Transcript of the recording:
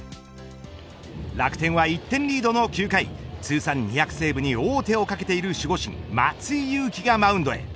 楽天は１点リードの９回通算２００セーブに王手をかけている守護神松井裕樹がマウンドへ。